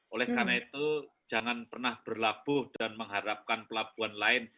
oleh karena itu jangan pernah berlabuh dan mengharapkan pelabuhan lain